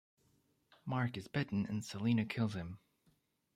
Mark is bitten, and Selena kills him.